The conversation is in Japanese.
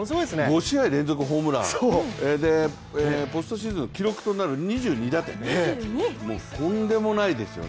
５試合連続ホームランポストシーズンの記録となる２２打点、とんでもないですよね。